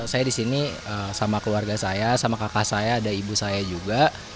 saya di sini sama keluarga saya sama kakak saya ada ibu saya juga